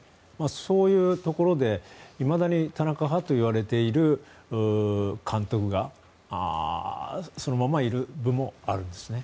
そういうところで、いまだに田中派といわれている監督がそのままいる部もあるんですね。